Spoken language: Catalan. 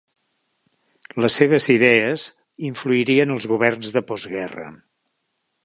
Les seves idees influïren els governs de postguerra.